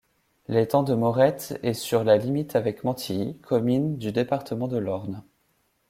L'étang de Morette est sur la limite avec Mantilly, commune du département de l'Orne.